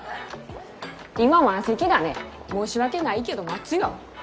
今満席だね申し訳ないけど待つよ。